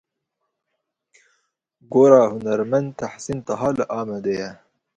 Gora hunermend Tehsîn Taha li Amêdiyê.